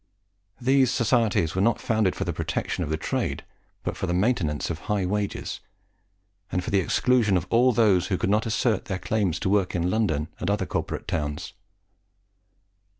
These societies were not founded for the protection of the trade, but for the maintenance of high wages, and for the exclusion of all those who could not assert their claims to work in London and other corporate towns.